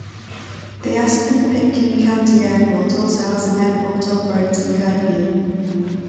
The Aspen - Pitkin County Airport also has an airport operating curfew.